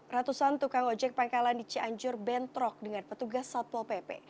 ratusan tukang ojek pangkalan di cianjur bentrok dengan petugas satpol pp